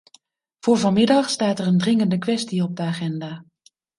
Voor vanmiddag staat er een dringende kwestie op de agenda.